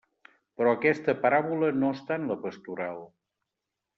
Però aquesta paràbola no està en la pastoral.